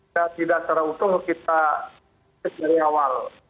tidak secara utuh kita dari awal